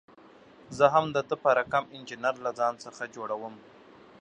زه هم د ده په رقم انجینر له ځان څخه جوړوم.